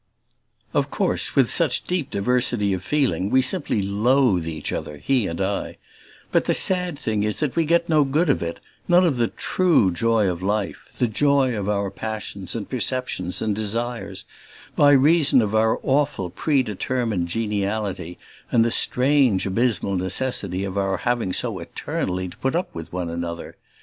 Of course, with such deep diversity of feeling, we simply loathe each other, he and I; but the sad thing is that we get no good of it, none of the TRUE joy of life, the joy of our passions and perceptions and desires, by reason of our awful predetermined geniality and the strange abysmal necessity of our having so eternally to put up with each other.